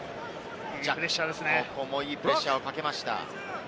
ここもいいプレッシャーをかけました。